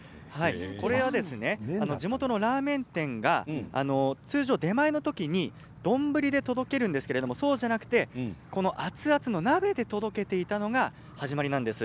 これは地元のラーメン店が通常、出前の時に丼で届けるんですけれどそうじゃなくてこの熱々の鍋で届けていたのが始まりなんです。